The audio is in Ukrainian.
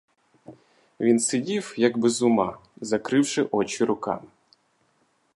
Він сидів, як без ума, закривши очі руками.